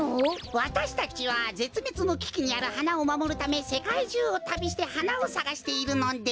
わたしたちはぜつめつのききにあるはなをまもるためせかいじゅうをたびしてはなをさがしているのです。